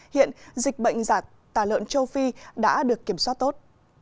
hiện dịch bệnh dạc tả lợn châu phi đã được kiểm soát tốt